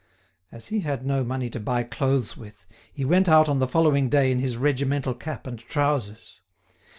As he had no money to buy clothes with, he went out on the following day in his regimental cap and trousers.